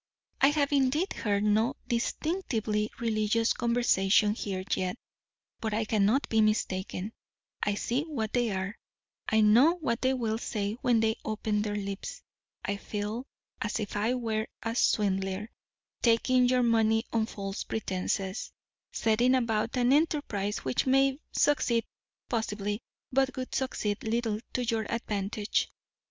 I have indeed heard no distinctively religious conversation here yet; but I cannot be mistaken; I see what they are; I know what they will say when they open their lips. I feel as if I were a swindler, taking your money on false pretences; setting about an enterprise which may succeed, possibly, but would succeed little to your advantage.